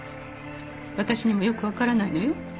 私にもよく分からないのよ。